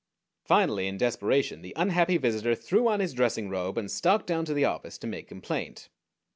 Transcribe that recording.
Finally in desperation the unhappy visitor threw on his dressing robe, and stalked down to the office to make complaint.